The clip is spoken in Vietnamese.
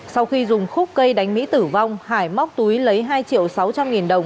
sau khi dùng khúc cây đánh mỹ tử vong hải móc túi lấy hai triệu sáu trăm linh nghìn đồng